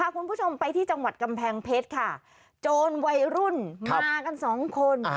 คุณผู้ชมไปที่จังหวัดกำแพงเพชรค่ะโจรวัยรุ่นมากันสองคน